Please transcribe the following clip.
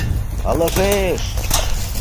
— Ылыжеш!